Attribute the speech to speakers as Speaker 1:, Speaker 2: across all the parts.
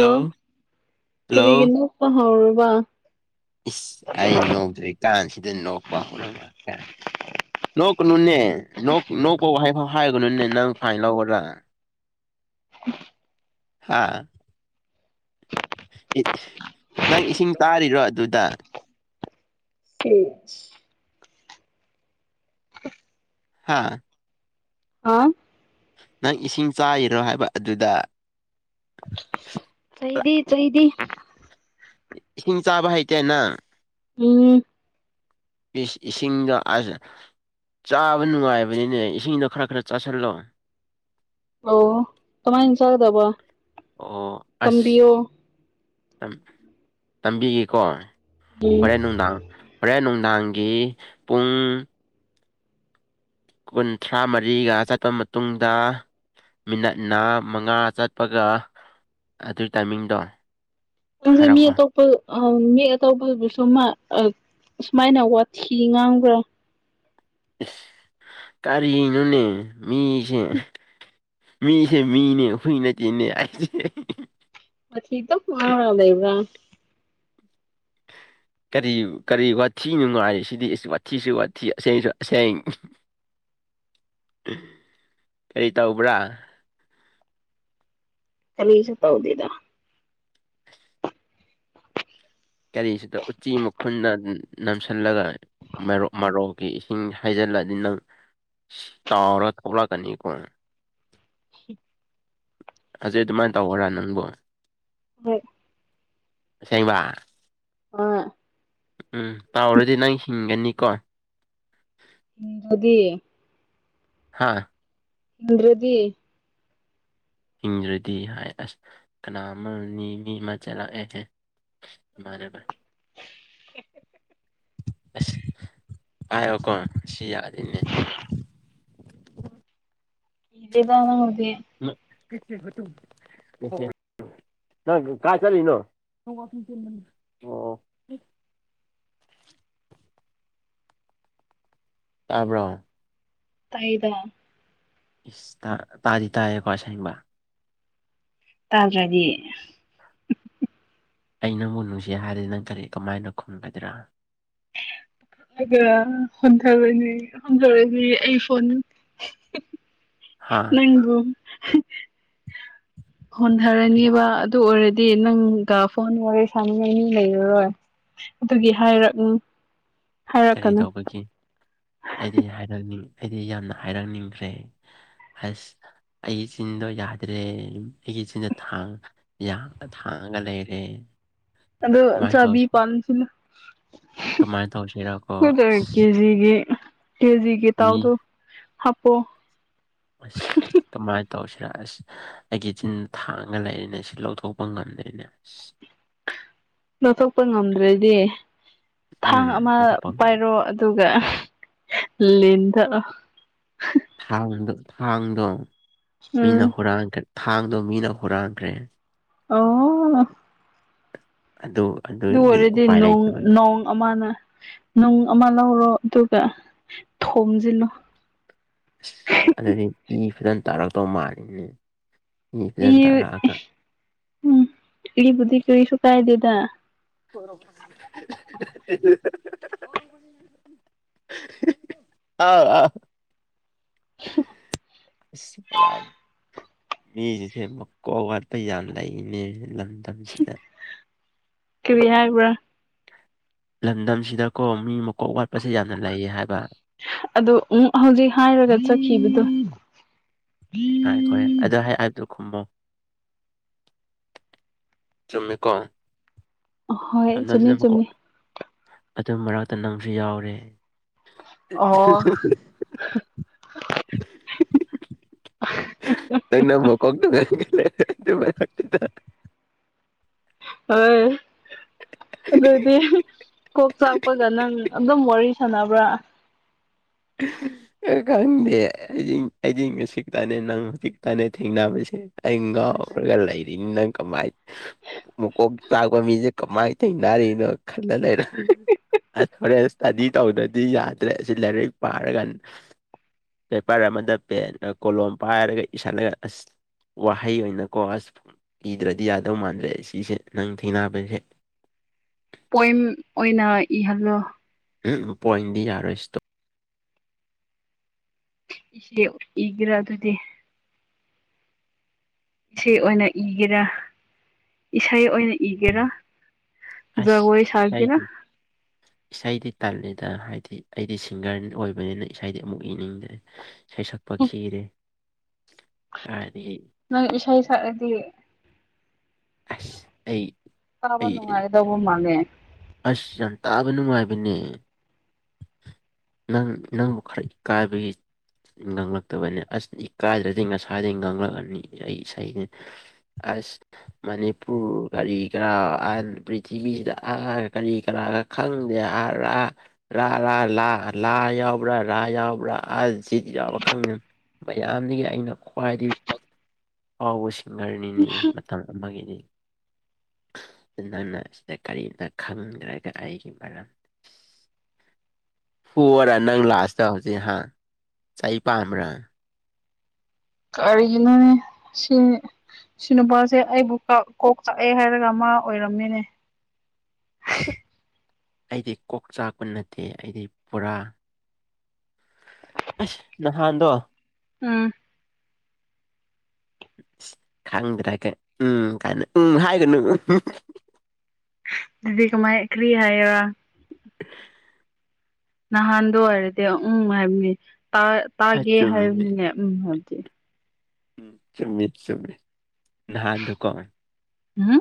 Speaker 1: ꯑꯣ ꯀꯔꯤꯒꯤ
Speaker 2: ꯍꯜꯂꯣ
Speaker 1: ꯅꯣꯛꯄ ꯍꯧꯔꯕ
Speaker 2: ꯏꯁ ꯑꯩ ꯅꯣꯛꯇ꯭ꯔꯤꯀꯥꯟ ꯁꯤꯗ ꯅꯣꯛꯄ ꯍꯧꯔꯕ ꯀꯥꯏꯅ ꯅꯣꯛꯀꯅꯨꯅꯦ ꯅꯣꯛꯄ ꯋꯥꯍꯩꯐꯥꯎ ꯍꯥꯏꯒꯅꯨꯅꯦ ꯅꯪ ꯐꯥꯏꯟ ꯂꯧꯋꯥꯑꯣꯔꯥ ꯍꯥꯥ ꯅꯪ ꯏꯁꯤꯡ ꯇꯥꯔꯤꯔꯣ ꯑꯗꯨꯗ
Speaker 1: ꯎꯝ
Speaker 2: ꯍꯥ
Speaker 1: ꯍꯥꯥꯎ
Speaker 2: ꯅꯪ ꯏꯁꯤꯡ ꯆꯥꯏꯔꯤꯔꯣ ꯍꯥꯏꯕ ꯑꯗꯨꯗ
Speaker 1: ꯆꯩꯗꯦ ꯆꯩꯗꯦ꯫
Speaker 2: ꯏꯁꯤꯡ ꯆꯥꯕ ꯍꯩꯇꯦ ꯅꯪ
Speaker 1: ꯎꯝ
Speaker 2: ꯏꯁ ꯏꯁꯤꯡꯗ ꯑꯁ ꯆꯥꯕ ꯅꯨꯡꯉꯥꯏꯕꯅꯤꯅꯦ ꯏꯁꯤꯡꯗꯣ ꯈꯔ ꯈꯔ ꯆꯥꯥꯁꯜꯂꯣ
Speaker 1: ꯑꯣ ꯀꯥꯃꯥꯏꯟꯅ ꯆꯒꯗꯧꯕ
Speaker 2: ꯑꯣ ꯑꯁ ꯇꯝꯕꯤꯒꯦꯀꯣ ꯍꯣꯔꯦꯟ
Speaker 1: ꯎꯝ
Speaker 2: ꯅꯨꯡꯗꯥꯡ ꯍꯣꯔꯦꯟ ꯅꯨꯡꯗꯥꯡꯒꯤ ꯄꯨꯡ ꯀꯨꯟꯊ꯭ꯔꯥ ꯃꯔꯤꯒ ꯆꯠꯄ ꯃꯇꯨꯡꯗ ꯃꯤꯅꯠꯅ ꯃꯉꯥ ꯆꯠꯄꯒ ꯑꯗꯨꯒꯤ ꯇꯥꯏꯃꯤꯡꯗꯣ
Speaker 1: ꯅꯪꯗꯤ ꯃꯤ
Speaker 2: ꯍꯥꯏꯔꯛꯑꯣ
Speaker 1: [unintelligible] ꯑꯥ ꯃꯤ ꯑꯇꯣꯞꯄꯗꯁꯨ ꯁꯨꯃꯥꯏꯅ ꯋꯥꯊꯤ ꯉꯥꯡꯕ꯭ꯔꯥ
Speaker 2: ꯀꯔꯤꯅꯣꯅꯦ ꯃꯤꯁꯦ ꯃꯤꯁꯦ ꯃꯤꯅꯦ ꯍꯨꯏ ꯅꯠꯇꯦꯅꯦ
Speaker 1: ꯋꯥꯇꯤ ꯑꯗꯨꯝ ꯉꯥꯡꯉꯥ ꯂꯩꯕꯔꯥ
Speaker 2: ꯀꯔꯤ ꯀꯔꯤ ꯋꯥꯊꯤ ꯅꯨꯡꯉꯥꯏ ꯁꯤꯗꯤ ꯏꯁ ꯋꯥꯊꯤꯁꯨ ꯋꯥꯊꯤ ꯑꯁꯦꯡꯁꯨ ꯑꯁꯦꯡ ꯀꯔꯤ ꯇꯧꯕ꯭ꯔꯥ
Speaker 1: ꯀꯔꯤꯁꯨ ꯇꯧꯗꯦꯗ
Speaker 2: ꯀꯔꯤꯁꯨ ꯎꯆꯤ ꯃꯈꯨꯟꯗ ꯅꯝꯁꯤꯜꯂꯒ ꯃꯔꯣꯛ ꯏꯁꯤꯡ ꯍꯩꯖꯤꯜꯂꯛꯑꯗꯤ ꯅꯪ ꯇꯥꯎꯔ ꯊꯣꯛꯂꯛꯒꯅꯤꯒꯣ ꯑꯁꯤ ꯑꯗꯨꯃꯥꯏꯅ ꯇꯧꯑꯣꯔ ꯅꯪꯕꯨ
Speaker 1: ꯍꯣꯏ
Speaker 2: ꯑꯁꯦꯡꯕ
Speaker 1: ꯍꯣꯢ
Speaker 2: ꯎꯝ ꯇꯥꯎꯔꯗꯤ ꯅꯪ ꯍꯤꯡꯒꯅꯤꯀꯣ
Speaker 1: ꯑꯗꯨꯗꯤ
Speaker 2: ꯍꯥꯥ
Speaker 1: ꯍꯤꯡꯗꯔꯗꯤ
Speaker 2: ꯍꯤꯡꯗ꯭ꯔꯗꯤ ꯍꯥꯏ ꯑꯁ ꯀꯅꯥ ꯑꯃ ꯃꯤ ꯃꯤ ꯑꯃ ꯆꯠꯂꯛꯑꯦꯍꯦ ꯢꯃꯥꯟꯅꯕ ꯄꯥꯢꯌꯨꯒꯣ ꯁꯤ ꯌꯥꯗꯦꯅꯦ
Speaker 1: ꯗꯅ ꯍꯧꯗꯤ [unintelligible]
Speaker 2: ꯀ ꯑꯗꯨ [unintelligible] ꯅꯪ ꯀꯥꯏ ꯆꯠꯂꯤꯅꯣ ꯇꯥꯕ꯭ꯔꯣ
Speaker 1: ꯑꯩꯔꯣ
Speaker 2: ꯏꯁ ꯇꯥꯗꯤ ꯇꯥꯔꯦꯀꯣ ꯑꯁꯦꯡꯕ
Speaker 1: ꯇꯥꯗ꯭ꯔꯗꯤ
Speaker 2: ꯑꯩ ꯅꯪꯕꯨ ꯅꯨꯡꯁꯤ ꯍꯥꯏꯔꯗꯤ ꯅꯪ ꯀꯔꯤ ꯀꯃꯥꯏꯅ ꯈꯨꯝꯒꯗ꯭ꯔꯥ
Speaker 1: ꯑꯗꯨꯒ ꯍꯣꯟꯊꯔꯣꯏꯅꯤ ꯍꯣꯟꯊꯔꯣꯏꯗꯤ ꯑꯩ ꯐꯣꯟ
Speaker 2: ꯍꯥ
Speaker 1: ꯅꯪꯕꯨ
Speaker 2: ꯑꯩ
Speaker 1: ꯍꯟꯙꯔꯅꯤꯕ [unintelligible] ꯑꯗꯨ ꯑꯣꯏꯔꯗꯤ ꯅꯪꯒ ꯐꯣꯟ ꯋꯥꯔꯤ ꯁꯥꯟꯅꯅꯤꯡꯉꯥꯏ ꯃꯤ ꯂꯩꯔꯔꯣꯏ ꯑꯗꯨꯒꯤ ꯍꯥꯏꯔꯛ
Speaker 2: ꯀꯔꯤ
Speaker 1: ꯍꯥꯏꯔꯛꯀꯅꯨ
Speaker 2: ꯇꯧꯕꯒꯤ ꯑꯩꯗꯤ ꯍꯥꯏꯔꯛꯅꯤꯡ ꯑꯩꯗꯤ ꯌꯥꯝꯅ ꯍꯥꯏꯔꯛꯅꯤꯡꯈ꯭ꯔꯦ ꯑꯁ ꯑꯩꯒꯤ ꯆꯤꯟꯗꯣ ꯌꯥꯗ꯭ꯔꯦ ꯑꯩꯒꯤ ꯏꯆꯤꯟꯗ ꯊꯥꯡ ꯌꯥ ꯊꯥꯡꯉꯒ ꯂꯩꯔꯦ
Speaker 1: ꯑꯗꯣ
Speaker 2: ꯀꯃꯥꯏꯅ
Speaker 1: ꯆꯕꯤ
Speaker 2: ꯇꯧꯁꯤ
Speaker 1: ꯄꯥꯟꯁꯨꯅꯣ
Speaker 2: ꯀꯃꯥꯏꯅ ꯇꯧꯁꯤꯔꯀꯣ
Speaker 1: [unintelligible] ꯗꯔ
Speaker 2: ꯑꯁ
Speaker 1: ꯀꯦꯖꯤꯒꯤ ꯀꯦꯖꯤꯒꯤ
Speaker 2: ꯃꯤ
Speaker 1: ꯇꯥꯎꯗꯣ ꯍꯥꯞꯄꯣ
Speaker 2: ꯑꯁ ꯀꯃꯥꯏꯅ ꯇꯧꯁꯤꯔ ꯑꯁ ꯑꯩꯒꯤ ꯆꯤꯟ ꯊꯥꯡꯉ ꯂꯩꯔꯤꯅꯦ ꯁꯤ ꯂꯧꯊꯣꯛꯄ ꯉꯝꯗꯔꯦꯅꯦ ꯑꯁ [unintelligible]
Speaker 1: ꯂꯧꯊꯣꯛꯄ ꯉꯝꯗ꯭ꯔꯗꯤ ꯊꯥꯡ ꯑꯃ
Speaker 2: ꯎꯝꯄ
Speaker 1: ꯄꯥꯏꯔꯣ ꯗꯨꯒ ꯂꯦꯟꯗꯠ ꯂꯣ
Speaker 2: ꯊꯥꯡꯗꯣ ꯊꯥꯡꯗꯣ ꯃꯤꯅ
Speaker 1: ꯎꯝ
Speaker 2: ꯍꯨꯔꯥꯟ ꯈꯔꯦ ꯊꯥꯡꯗꯣ ꯃꯤꯅ ꯍꯨꯔꯥꯟꯈ꯭ꯔꯦ
Speaker 1: ꯑꯣ
Speaker 2: ꯑꯗꯨ꯫
Speaker 1: ꯑꯗꯨ
Speaker 2: ꯑꯗꯨꯒꯤ
Speaker 1: ꯑꯣꯏꯔꯗꯤ
Speaker 2: ꯎꯄꯥꯏ ꯂꯩꯇꯕꯒꯤ
Speaker 1: ꯅꯣꯡ-ꯅꯣꯡ ꯑꯃꯅ꯫ ꯅꯨꯡ ꯑꯃ ꯂꯧꯔꯣ ꯑꯗꯨꯒ ꯊꯣꯝꯖꯤꯜꯂꯨ꯫
Speaker 2: ꯑꯁ ꯑꯗꯨꯗꯤ ꯏ ꯐꯖꯅ ꯇꯥꯔꯛꯇꯧ ꯃꯥꯜꯂꯤꯅꯦ꯫
Speaker 1: ꯏ
Speaker 2: ꯐꯖꯅ ꯇꯥꯔꯛꯑꯒ
Speaker 1: ꯎꯝ ꯏꯕꯨꯗꯤ ꯀꯔꯤꯁꯨꯨ ꯀꯥꯏꯗꯦꯗ꯫
Speaker 2: [unintelligible] ꯑꯥꯎ ꯑꯥꯎ꯫
Speaker 1: [unintelligible]
Speaker 2: ꯏꯁ ꯄꯨꯔꯥ꯫ ꯃꯤꯁꯤꯁꯦ ꯃꯀꯣꯛ ꯑꯋꯥꯠꯄ ꯌꯥꯝ ꯂꯩꯅꯦ ꯂꯝꯗꯝꯁꯤꯗ꯫
Speaker 1: ꯀꯔꯤ ꯍꯥꯏꯕ꯭ꯔꯥ꯫
Speaker 2: ꯂꯝꯗꯝꯁꯤꯗꯀꯣ ꯃꯤ ꯃꯀꯣꯛ ꯋꯥꯠꯄꯁꯦ ꯌꯥꯝꯅ ꯂꯩꯌꯦ ꯍꯥꯏꯕ꯫
Speaker 1: ꯑꯗꯨ ꯎꯟ ꯍꯧꯖꯤꯛ ꯍꯥꯏꯔꯒ ꯆꯠꯈꯤꯕꯗꯣ꯫
Speaker 2: ꯉꯥꯏꯈꯣꯍꯦ ꯑꯗꯨ ꯍꯥꯏ ꯑꯗꯨ ꯈꯨꯝꯃꯣ꯫ ꯆꯨꯝꯃꯤꯀꯣ꯫
Speaker 1: ꯍꯣꯏ
Speaker 2: ꯑꯗꯨ ꯅꯥꯪꯁꯨ
Speaker 1: ꯆꯨꯝꯃꯤ
Speaker 2: ꯑꯃꯀꯣꯛ
Speaker 1: ꯆꯨꯝꯃꯤ
Speaker 2: ꯑꯗꯨ ꯃꯔꯛꯇ ꯅꯪꯁꯨ ꯌꯥꯎꯔꯦ꯫
Speaker 1: ꯑꯣ
Speaker 2: [unintelligible] ꯅꯪꯅ ꯃꯀꯣꯛꯇ ꯂꯩꯔꯦ ꯑꯗꯨꯒ꯫
Speaker 1: ꯍꯣꯏ ꯑꯗꯨꯗꯤ ꯀꯣꯛ ꯆꯥꯛꯄꯒ ꯅꯪ ꯑꯗꯨꯝ ꯋꯥꯔꯤ꯫ ꯁꯥꯟꯅꯕ꯭ꯔꯥ꯫
Speaker 2: ꯑꯍ꯫ ꯑꯩꯗꯤ ꯈꯪꯗꯦ ꯑꯩ ꯑꯩꯗꯤ ꯉꯁꯤ ꯈꯛꯇꯅꯦ ꯅꯪ ꯍꯧꯖꯤꯛꯀꯟꯗ ꯊꯦꯡꯅꯕꯁꯦ꯫ ꯑꯩ ꯉꯥꯎꯔꯒ ꯂꯩꯔꯤꯅꯤ ꯅꯪ ꯀꯃꯥꯏ꯫ ꯃꯀꯣꯛ ꯆꯥꯛꯄ ꯃꯤꯁꯦ ꯀꯃꯥꯏ ꯊꯦꯡꯅꯔꯤꯅꯣ ꯈꯜꯂ ꯂꯩꯔꯦ꯫ ꯑꯗꯨ ꯍꯣꯔꯦꯟ ꯏꯁꯇꯗꯤ ꯇꯧꯗ꯭ꯔꯗꯤ ꯌꯥꯗ꯭ꯔꯦ ꯑꯁꯤ ꯂꯥꯏꯔꯤꯛ ꯄꯥꯔꯒꯥ꯫ ꯄꯦꯄꯔ ꯑꯃꯗ ꯄꯦꯟꯒ ꯀꯣꯂꯣꯝ ꯄꯥꯏꯔꯒ ꯏꯁꯤꯟꯂꯒ ꯑꯁ꯫ ꯋꯥꯍꯩ ꯑꯣꯏꯅꯀꯣ ꯑꯁ ꯏꯗ꯭ꯔꯗꯤ ꯌꯥꯗꯧ ꯃꯥꯟꯗ꯭ꯔꯦ ꯁꯤꯁꯦ ꯅꯪ ꯊꯦꯡꯅꯕꯁꯦ꯫
Speaker 1: ꯄꯣꯏꯝ ꯑꯣꯏꯅ ꯏꯍꯜꯂꯣ꯫
Speaker 2: ꯎꯟ ꯄꯣꯏꯝꯗꯤ ꯌꯥꯔꯣꯏ ꯁꯇꯣꯛ꯫
Speaker 1: ꯏꯁꯦ ꯏꯒꯦꯔꯥ ꯑꯗꯨꯗꯤ꯫ ꯏꯁꯩ ꯑꯣꯏꯅ ꯏꯒꯦꯔꯥ ꯏꯁꯩ ꯑꯣꯏꯅ ꯏꯒꯦꯔꯥ꯫
Speaker 2: ꯑꯁ
Speaker 1: ꯖꯒꯣꯏ ꯁꯥꯒꯦꯔꯥ
Speaker 2: ꯏꯁꯩꯗꯤ꯫ ꯏꯁꯩꯗꯤ ꯇꯜꯂꯤꯗ ꯍꯥꯏꯗꯤ ꯑꯩꯗꯤ ꯁꯤꯡꯒꯔ ꯑꯣꯏꯕꯅꯤꯅ ꯏꯁꯩꯗꯤ ꯑꯃꯨꯛ ꯏꯅꯤꯡꯗ꯭ꯔꯦ꯫ ꯏꯁꯩꯁꯛꯄ ꯈꯤꯔꯦ ꯍꯥꯏꯗꯤ꯫
Speaker 1: ꯅꯪ ꯏꯁꯩ ꯁꯛꯂꯗꯤ
Speaker 2: ꯑꯁ ꯑꯩ
Speaker 1: ꯇꯥꯕ
Speaker 2: ꯑꯩ
Speaker 1: ꯅꯨꯡꯉꯥꯏ꯫ ꯗꯧꯕ ꯃꯥꯜꯂꯦ꯫
Speaker 2: ꯑꯁ ꯌꯥꯝ ꯇꯥꯕ ꯅꯨꯡꯉꯥꯏꯕꯅꯦ꯫ ꯅꯪ ꯅꯪꯕꯨ ꯈꯔ ꯏꯀꯥꯏꯕꯒꯤ꯫ ꯉꯛꯂꯛ ꯇꯕꯅꯤ ꯑꯁ ꯏꯀꯥꯏꯗ꯭ꯔꯗꯤ ꯉꯁꯥꯏꯗꯒꯤ ꯉꯛꯂꯛꯑꯅꯤ ꯑꯩ ꯏꯁꯩꯗꯤ꯫ ꯑꯁ꯫ ꯃꯅꯤꯄꯨꯔ ꯀꯔꯤ ꯀꯔꯥ ꯑꯥ ꯄ꯭ꯔꯤꯊꯤꯕꯤꯁꯤꯗ ꯑꯥ ꯀꯔꯤ ꯀꯔꯥ ꯈꯪꯗꯦ ꯍꯥꯏꯔ ꯔꯥ ꯔꯥ ꯂꯥ ꯂꯥ ꯌꯥꯎꯕ꯭ꯔꯥ ꯔꯥ ꯌꯥꯎꯕ꯭ꯔꯥ ꯑꯁ ꯖꯤꯠ ꯌꯥꯎꯕ ꯈꯪꯗ ꯃꯌꯥꯝꯗꯒꯤ ꯑꯩꯅ ꯈ꯭ꯋꯥꯏꯗꯒꯤ ꯑꯐꯥꯎꯕ ꯁꯤꯡꯒꯔꯅꯤꯅꯦ ꯃꯇꯝ ꯑꯃꯒꯤꯗꯤ ꯑꯗꯨ ꯅꯪꯅ ꯑꯁꯤꯗ ꯀꯔꯤꯝꯇ ꯈꯪꯗꯔꯒ ꯑꯩꯒꯤ ꯃꯔꯝ ꯐꯨꯑꯣꯔꯥ ꯅꯪ ꯂꯥꯁꯇ ꯍꯧꯖꯤꯛ ꯍꯥ ꯆꯩ ꯄꯥꯝꯕ꯭ꯔꯥ
Speaker 1: ꯀꯔꯤꯅꯣꯅꯦ ꯁꯤ ꯁꯤ ꯅꯨꯨꯄꯥꯁꯦ ꯑꯩꯕꯨ ꯀꯣꯛ ꯆꯥꯛꯑꯦ ꯍꯥꯏꯔꯒ ꯃꯥ ꯑꯣꯏꯔꯝꯃꯤꯅꯦ
Speaker 2: ꯑꯩꯗꯤ ꯀꯣꯛ ꯆꯥꯛꯄ ꯅꯠꯇꯦ ꯑꯩꯗꯤ ꯄꯨꯔꯥ ꯑꯁ ꯅꯍꯥꯟꯗꯣ
Speaker 1: ꯎꯝ
Speaker 2: [inaudible] ꯈꯪꯗ꯭ꯔꯥꯒ ꯎꯝ ꯀꯥꯏꯅ ꯎꯝ ꯍꯥꯏꯒꯅꯨ
Speaker 1: ꯑꯗꯨꯤꯗꯤ ꯀꯃꯥꯏ ꯀ꯭ꯔꯤ ꯍꯥꯏꯌꯣꯔ ꯅꯍꯥꯟꯗ ꯑꯣꯏꯔꯗꯤ ꯎꯝ ꯍꯥꯏꯕꯅꯤ
Speaker 2: ꯑ
Speaker 1: ꯇꯥꯒꯦ
Speaker 2: ꯆꯨꯝꯃꯤꯅꯦ
Speaker 1: ꯍꯥꯏꯕꯅꯤꯅꯦ ꯎꯝ ꯍꯥꯏꯕꯗꯤ
Speaker 2: ꯆꯨꯝꯃꯤ ꯆꯨꯝꯃꯤ ꯅꯥꯍꯥꯟꯗꯣꯀꯣ
Speaker 1: ꯎꯝ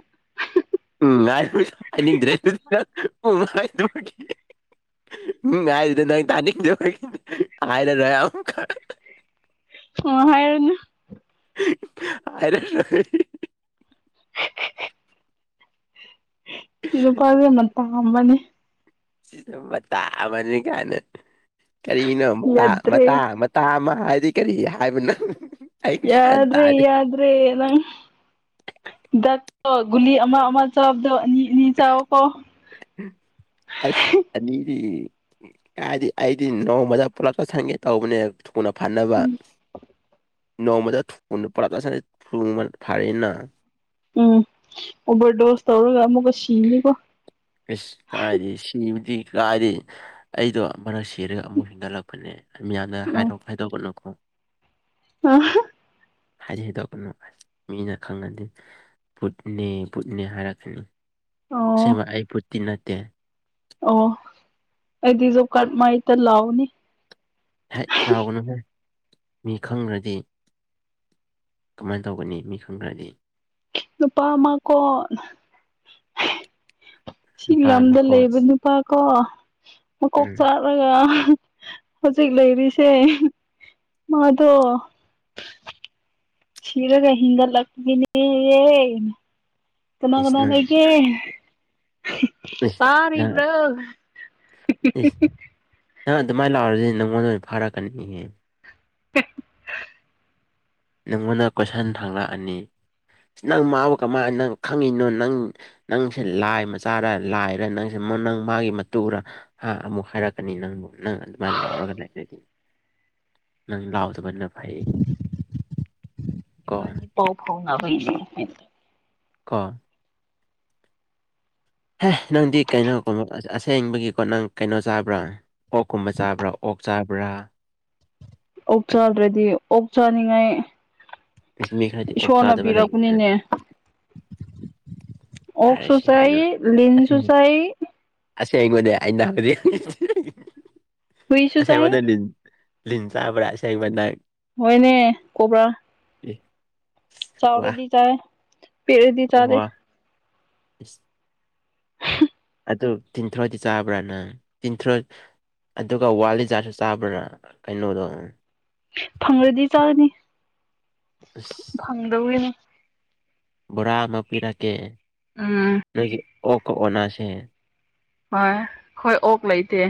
Speaker 2: ꯎꯝ ꯉꯥꯏ ꯍꯥꯏꯅꯤꯡꯗ꯭ꯔꯦ ꯑꯗꯨ ꯎꯝ ꯍꯥꯏꯗꯕꯒꯤ ꯎꯝ ꯍꯥꯢꯗꯣ ꯅꯪ ꯇꯥꯅꯤꯡꯗꯥꯕꯒꯤ ꯍꯥꯏꯌꯣꯔ ꯑꯃꯨꯛꯀꯥ [inaudible]
Speaker 1: ꯑꯣ ꯍꯥꯏꯔꯅꯨ
Speaker 2: ꯍꯥꯏꯔꯣꯢ
Speaker 1: ꯅꯨꯄꯥ ꯌꯥꯝꯅ ꯄꯥꯝꯕꯅꯦ
Speaker 2: ꯁꯤꯗ ꯃꯇꯥ ꯑꯃꯅꯤ ꯀꯥꯏꯅ ꯀꯔꯤꯅꯣ ꯃꯇꯥ
Speaker 1: ꯌꯥꯗ꯭ꯔꯦ
Speaker 2: ꯃꯇꯥ ꯃꯇꯥ ꯑꯃ ꯍꯥꯏꯗꯤ ꯀꯔꯤ ꯍꯥꯏꯕ ꯅꯪ
Speaker 1: ꯌꯥꯗ꯭ꯔꯦ ꯌꯥꯗ꯭ꯔꯦ ꯅꯪ ꯍꯤꯗꯥꯛꯇꯣ ꯒꯨꯂꯤ ꯑꯃꯥ ꯑꯃꯥ ꯆꯥꯕꯗꯣ ꯑꯅꯤ ꯑꯅꯤ ꯆꯥꯎꯀꯣ
Speaker 2: ꯑꯁ ꯑꯅꯤꯗꯤ ꯀꯥꯢꯗꯩ ꯑꯩꯗꯤ ꯅꯣꯡꯃꯥꯗ ꯄꯨꯜꯂꯞ ꯆꯥꯁꯟꯒꯦ ꯇꯧꯕꯅꯦ ꯊꯨꯅ ꯐꯅꯕ ꯅꯣꯡꯃꯗ ꯄꯨꯂꯞ ꯆꯥꯁꯤꯜ ꯊꯨꯅ ꯐꯩꯅ
Speaker 1: ꯎꯝ ꯑꯣꯕꯔꯗꯣꯁ ꯇꯧꯔꯒ ꯑꯃꯨꯛꯀ ꯁꯤꯅꯤꯀꯣ
Speaker 2: ꯑꯁ ꯀꯥꯏꯗꯤ ꯁꯤꯕꯗꯤ ꯀꯥꯏꯗꯤ ꯑꯩꯗꯣ ꯑꯃꯔꯛ ꯁꯤꯔꯒ ꯑꯃꯨꯔꯛ ꯍꯤꯟꯒꯠꯂꯛꯄ ꯄꯥꯅꯦ ꯃꯤꯌꯥꯝꯗ ꯍꯥꯏꯗꯣꯛ ꯍꯥꯏꯗꯣꯛꯀꯥꯅꯨꯀꯣ
Speaker 1: ꯑꯥ
Speaker 2: ꯍꯥꯏꯗꯤ ꯍꯥꯢꯗꯣꯛꯀꯅꯨ ꯃꯤꯅ ꯈꯪꯅꯥꯗꯦ ꯕꯨꯠꯅꯦ ꯕꯨꯠꯅꯦ ꯍꯥꯏꯔꯛꯀꯅꯤ
Speaker 1: ꯑꯥꯎ
Speaker 2: ꯑꯁꯦꯡꯕ ꯑꯩ ꯕꯨꯠꯇꯤ ꯅꯠꯇꯦ
Speaker 1: ꯑꯣ ꯑꯩꯗꯤ ꯖꯣꯞ ꯀꯥꯔꯗ ꯃꯥꯏꯇ ꯂꯥꯛꯑꯣꯅꯤ
Speaker 2: ꯍꯩꯠ ꯂꯥꯎꯒꯅꯨꯍ ꯃꯤ ꯈꯪꯈ꯭ꯔꯗꯤ ꯀꯃꯥꯏꯅ ꯇꯧꯒꯅꯤ ꯃꯤ ꯈꯪꯗ꯭ꯔꯗꯤ
Speaker 1: ꯅꯨꯄꯥ ꯑꯃ ꯀꯣ ꯁꯤꯒꯤ
Speaker 2: ꯅꯨꯄꯥ
Speaker 1: ꯂꯝꯗ
Speaker 2: ꯑꯃꯀꯣ
Speaker 1: ꯂꯩꯕ ꯅꯨꯄꯥ ꯅꯨꯄꯥꯀꯣ ꯃꯀꯣꯛ
Speaker 2: ꯎꯝ
Speaker 1: ꯆꯥꯔꯒ ꯍꯧꯖꯤꯛ ꯂꯩꯔꯤꯁꯦ ꯃꯥꯗꫭ ꯁꯤꯔꯒ ꯍꯤꯡꯒꯠꯂꯛꯈꯤꯅꯤꯌ‌ꯦ ꯀꯅꯥ
Speaker 2: ꯏꯁ
Speaker 1: ꯀꯅꯥ
Speaker 2: ꯅꯪ
Speaker 1: ꯂꯩꯒ‌ꯦ
Speaker 2: ꯏꯁ ꯅꯪ
Speaker 1: ꯇꯔꯤꯕ꯭ꯔꯣ
Speaker 2: ꯏꯁ ꯅꯪ ꯑꯗꯨꯃꯥꯏꯅ ꯂꯥꯛꯔꯁꯤꯗꯤ ꯅꯪꯉꯣꯟꯗ ꯑꯣꯏꯅ ꯐꯥꯔꯛꯀꯅꯤꯍꯦ ꯅꯪꯉꯣꯟꯗ ꯀꯣꯏꯁꯟ ꯍꯥꯡꯂꯛꯑꯅꯤ ꯅꯪ ꯃꯥꯕꯨ ꯀꯃꯥꯏꯅ ꯅꯪ ꯈꯪꯉꯤꯅꯣ ꯅꯪ ꯅꯪꯁꯦ ꯂꯥꯏ ꯃꯆꯥꯔ ꯂꯥꯏꯔ ꯅꯪꯁꯦ ꯅꯪ ꯃꯥꯒꯤ ꯃꯇꯨꯔ ꯍꯥ ꯑꯃꯨꯛ ꯍꯥꯏꯔꯛꯀꯅꯤ ꯅꯪꯕꯨ ꯅꯪ ꯑꯗꯨꯃꯥꯏꯅ ꯂꯥꯎꯔꯒ ꯂꯩꯔꯗꯤ ꯅꯪ ꯂꯥꯎꯗꯕꯅ ꯐꯥꯏꯌꯦ
Speaker 1: ꯏꯕꯅꯤ ꯄꯥꯎ ꯐꯥꯎꯅꯕꯩꯅꯤ [unintelligible]
Speaker 2: ꯀꯣ ꯍꯦ ꯅꯪꯗꯤ ꯀꯩꯅꯣ ꯀꯨꯝ ꯑꯁꯦꯡꯕꯒꯤꯀꯣ ꯅꯪ ꯀꯩꯅꯣ ꯆꯥꯕ꯭ꯔꯥ ꯑꯣꯛꯀꯨꯝꯕ ꯆꯥꯕ꯭ꯔꯥ ꯑꯣꯛ ꯆꯥꯕ꯭ꯔꯥ
Speaker 1: ꯑꯣꯛ ꯆꯥꯗ꯭ꯔꯗꯤ ꯑꯣꯛ ꯆꯥꯅꯤꯡꯉꯥꯏ
Speaker 2: ꯃꯤ ꯈꯔꯗꯤ ꯑꯣꯛ
Speaker 1: ꯏꯁꯣꯔꯅ
Speaker 2: ꯆꯥꯗꯕ ꯂꯩꯕꯅꯤꯅ
Speaker 1: ꯄꯤꯔꯛꯄꯅꯤꯅꯦ ꯑꯣꯛꯁꯨ
Speaker 2: ꯍꯥꯏꯔꯁꯦ
Speaker 1: ꯆꯥꯏ ꯂꯤꯟꯁꯨ ꯆꯥꯏ
Speaker 2: ꯑꯁ‌ꯦꯡꯕꯅ‌ꯦ ꯑꯩꯅ
Speaker 1: ꯍꯨꯏꯁꯨ ꯆꯥꯏ
Speaker 2: [unintelligible] ꯂꯤꯟ ꯆꯕ꯭ꯔꯥ ꯑꯁ‌ꯦꯡꯕ ꯅꯪ
Speaker 1: ꯍꯅꯦ ꯀꯣꯕꯔꯥ
Speaker 2: ꯎ [unintelligible]
Speaker 1: ꯆꯥꯎꯔꯗꯤ ꯆꯥꯏ ꯄꯤꯑꯗꯤ ꯆꯥꯗ‌ꯦ
Speaker 2: ꯏꯁꯁ ꯑꯗꯨ ꯇꯤꯟꯊ꯭ꯔꯣꯗꯤ ꯆꯥꯕ꯭ꯔꯥ ꯅꯪ ꯇꯊ꯭ꯔꫭ ꯑꯗꯨꯒ ꯋꯥꯂꯤꯖꯥꯠꯗꯨ ꯆꯥꯕ꯭ꯔꯥ ꯀꯩꯅꯣꯗꯣ
Speaker 1: ꯐꯪꯔꯗꯤ ꯆꯥꯅꯤ
Speaker 2: ꯑꯁ
Speaker 1: ꯐꯪꯗꯕꯒꯤꯅꯤ
Speaker 2: ꯕꯣꯔꯥ ꯑꯃ ꯄꯤꯔꯛꯀꯦ
Speaker 1: ꯎꯝ
Speaker 2: ꯅꯣꯏꯒꯤ ꯑꯣꯀ ꯑꯣꯅꯥꯁꯦ
Speaker 1: ꯍꯣꯏ ꯑꯩꯈꯣꯏ ꯑꯣꯛ ꯂꯩꯇꯦ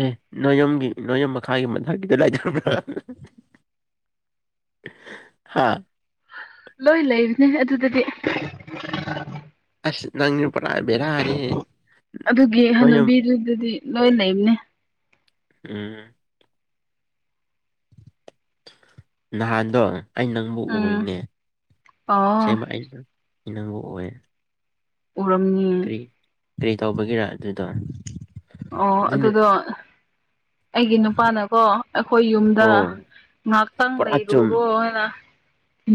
Speaker 2: ꯑꯦ ꯅꯣꯏ ꯌꯨꯝꯒꯤ ꯅꯣꯏ ꯌꯨꯝ ꯃꯈꯥꯒꯤ ꯃꯊꯛꯀꯤꯗ ꯂꯩꯇꯚꯔꯥ ꯍꯥꯥ
Speaker 1: ꯂꯣꯏ ꯂꯩꯕꯅꯦ ꯑꯗꯨꯗꯗꯤ
Speaker 2: ꯑꯁ ꯅꯪꯖ‌ꯦ ꯄꯨꯔꯥ ꯕꯤꯔꯥꯅꯤ [unintelligible]
Speaker 1: ꯑꯗꯨ ꯑꯗꯨꯗꯤ [unintelligible] ꯂꯣꯏ ꯂꯩꯕꯅꯦ
Speaker 2: ꯎꯝ ꯅꯍꯥꯟꯗꯣ ꯑꯩ ꯅꯪꯕꯨ
Speaker 1: ꯎꯝ
Speaker 2: ꯎꯣꯏꯅꯦ
Speaker 1: ꯑꯣ
Speaker 2: ꯑꯁꯦꯡꯃ ꯑꯩꯅ ꯏꯅꯪꯕ ꯑꯣꯏ
Speaker 1: ꯎꯔꯝꯉ
Speaker 2: ꯀꯔꯤ ꯇꯧꯕꯒꯤꯔ ꯑꯗꯨꯗꯣ
Speaker 1: ꯑꯣ
Speaker 2: ꯑꯗꯨꯅ
Speaker 1: ꯑꯗꯨꯗꯣ ꯑꯩꯒꯤ ꯅꯨꯄꯥꯅꯀꯣ ꯑꯩꯈꯣꯏ ꯌꯨꯝꯗ
Speaker 2: ꯑꯣ
Speaker 1: ꯉꯍꯥꯛꯇꯪ
Speaker 2: ꯄꯨꯔꯥ ꯆꯨꯝ
Speaker 1: ꯂꯩꯔꯨꯔꯣꯅꯥ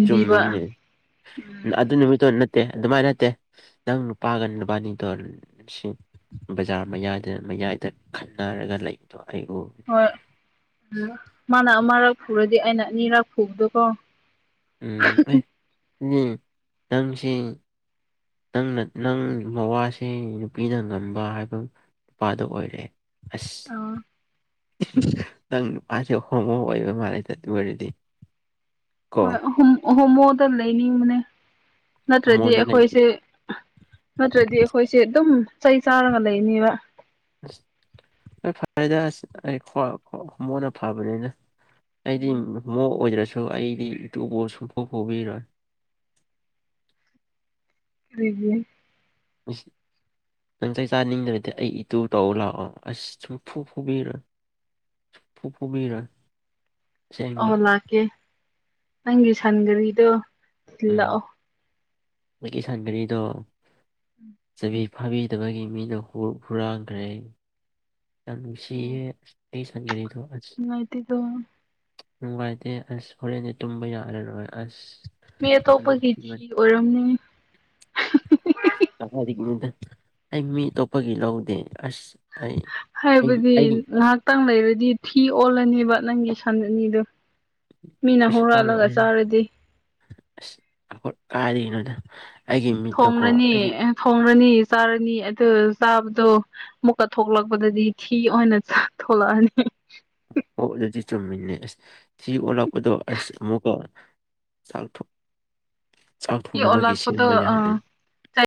Speaker 2: ꯆꯨꯝꯃꯤꯅꯦ ꯑꯗꯨ ꯅꯨꯃꯤꯠꯇꯣ ꯅꯠꯇꯦ ꯑꯗꯨꯃꯥꯏꯅ ꯅꯠꯇꯦ ꯅꯪ ꯅꯨꯄꯥꯒ ꯅꯨꯕꯥꯅꯤꯇꯣ ꯁꯤ ꯕꯖꯥꯔ ꯃꯌꯥꯏꯗ ꯃꯌꯥꯏꯗ ꯈꯟꯅꯔꯒ ꯂꯩꯕꯗꯣ ꯑꯩꯕꯨ
Speaker 1: ꯍꯣꯏ ꯎꯝ ꯃꯥꯅ ꯑꯃꯔꯛ ꯐꯨꯔꯗꯤ ꯑꯩꯅ ꯑꯅꯤꯔꯛ ꯐꯨꯕꯗꯨꯀꯣ
Speaker 2: ꯎꯝ ꯑꯩ ꯅꯪꯁꯤ ꯅꯪꯅ ꯅꯪ ꯃꯋꯥꯁꯦ ꯅꯨꯄꯤꯅ ꯉꯝꯕ ꯍꯥꯏꯕ ꯅꯨꯄꯥꯗꯣ ꯑꯣꯏꯔꯦ ꯑꯁ
Speaker 1: ꯑꯥ
Speaker 2: ꯅꯪ ꯃꯥꯁꯨ ꯍꯣꯃꯣ ꯑꯣꯏꯔ ꯃꯥꯜꯂꯦꯗ ꯑꯗꯨ ꯑꯣꯏꯔꯗꯤ ꯀꯣ
Speaker 1: ꯍꯣꯏ ꯑꯍꯣ ꯍꯣꯃꯣꯗ ꯂꯩꯅꯤꯡꯕꯅꯦ ꯅꯠꯇ꯭ꯔꯗꯤ
Speaker 2: ꯍꯣꯃꯣꯗ ꯂꯩ
Speaker 1: ꯑꯩꯈꯣꯏꯁꯦ ꯅꯠꯇ꯭ꯔꯗꯤ ꯑꯩꯈꯣꯏꯁꯦ ꯑꯗꯨꯝ ꯆꯩ ꯆꯥꯔꯒ ꯂꯩꯅꯦꯕ
Speaker 2: ꯑ ꯍꯣꯏ ꯐꯔꯦꯗ ꯑꯁ ꯍꯣꯃꯣꯅ ꯐꯕꯅꯤꯅ ꯑꯩꯗꯤ
Speaker 1: ꯎꯝ
Speaker 2: ꯍꯣꯃꯣ ꯑꯣꯏꯗ꯭ꯔꯁꯨ ꯑꯩꯗꯤ [unintelligible] ꯁꯨꯡꯕꯨ ꯄꯨꯕꯤꯔꯣꯏ
Speaker 1: ꯀꯔꯤꯒꯤ
Speaker 2: ꯃꯁꯤꯁꯤ [unintelligible] ꯅꯪ ꯆꯥꯅꯤꯡꯗꯔꯗꯤ ꯑꯩ ꯏꯇꯨ ꯇꯧ ꯂꯥꯛꯑꯣ ꯑꯁ ꯁꯨꯡ ꯐꯨ ꯐꯨꯕꯤꯔꯣꯢ ꯐꯨ ꯐꯨꯕꯤꯔꯣꯢ
Speaker 1: ꯑꯣ ꯂꯥꯛꯀꯦ ꯅꯪꯒꯤ ꯁꯟ ꯒꯥꯔꯤꯗꯣ ꯊꯤꯜꯂꯛꯑꯣ
Speaker 2: ꯑ ꯒꯤ ꯁꯥꯟ ꯒꯔꯤꯗꯣ ꯆꯕꯤ ꯐꯥꯕꯤꯗꯕꯒꯤ ꯃꯤꯅ ꯍꯨꯔꯥꯟꯈ꯭ꯔꯦ ꯌꯥꯝ ꯅꯨꯡꯁꯤꯌꯦ ꯑꯩ ꯁꯥꯟꯒꯔꯤꯗꯣ
Speaker 1: ꯅꯨꯡꯉꯥꯢꯇꯦꯌꯦ
Speaker 2: ꯅꯨꯡꯉꯥꯏꯇꯦ ꯑꯁ ꯍꯣꯔꯦꯟꯗꯤ ꯇꯨꯝꯕ ꯌꯥꯔꯔꯣꯏ ꯑꯁ
Speaker 1: ꯃꯤ
Speaker 2: ꯌꯥꯝ
Speaker 1: ꯑꯇꯣꯞꯄꯒꯤ ꯊꯤ
Speaker 2: ꯅꯨꯡꯁꯤꯕꯅꯤ
Speaker 1: ꯑꯣꯏꯔꯝꯅꯤ
Speaker 2: ꯀꯗꯥꯢꯖꯒꯤꯅꯣꯗ ꯑꯩ ꯃꯤ ꯑꯇꯣꯞꯄꯒꯤ ꯂꯧꯗꯦ ꯑꯁ ꯑꯩ ꯑꯩ
Speaker 1: ꯍꯥꯏꯕꯗꯤ
Speaker 2: ꯑꯩꯒꯤ
Speaker 1: ꯉꯥꯏꯍꯥꯛꯇꯪ ꯂꯩꯔꯗꯤ ꯊꯤ ꯑꯣꯜꯂꯅꯦꯕ ꯅꯪꯒꯤ ꯁꯟ ꯑꯅꯤꯗꯨ ꯃꯤꯅ
Speaker 2: ꯑꯁ
Speaker 1: ꯍꯨꯔꯜꯂꯒ
Speaker 2: ꯑꯣꯜꯂꯣꯏꯍꯦ
Speaker 1: ꯆꯥꯔꯗꯤ
Speaker 2: ꯑꯁ ꯑꯩꯈꯣꯢ ꯀꯥꯏꯗꯩꯅꯣꯗ ꯑꯩꯒꯤ ꯃꯤꯠꯇꯀꯣ ꯑꯩꯒꯤ
Speaker 1: ꯊꯣꯡꯉꯅꯤ ꯆꯥꯔꯅꯤ ꯑꯗꯨ ꯆꯥꯕꯗꯣ ꯃꯨꯛꯀ ꯊꯣꯛꯂꯛꯄꯗꯗꯤ ꯊꯤ ꯑꯣꯏꯅ ꯆꯥꯛ ꯊꯣꯛꯂꯛꯑꯅꯤ
Speaker 2: ꯑꯣ ꯑꯗꯨꯗꯤ ꯆꯨꯝꯃꯤꯅꯦ ꯑꯁ ꯊꯤ ꯑꯣꯜꯂꯛꯄꯗꯣ ꯑꯁ ꯑꯃꯨꯛꯀ ꯆꯥꯛ ꯆꯥꯛ
Speaker 1: ꯊꯤ
Speaker 2: ꯊꯣꯡꯅꯕꯒꯤ
Speaker 1: ꯑꯣꯜꯂꯛꯄꯗꯣ
Speaker 2: ꯁꯤꯟꯕ ꯌꯥꯔꯦ
Speaker 1: ꯑꯥ